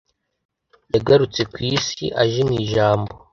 yagarutse ku isi aje mu ijambo